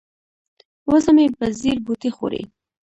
وزه مې په ځیر بوټي خوري.